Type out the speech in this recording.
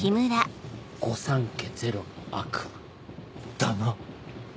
御三家ゼロの悪夢！だな。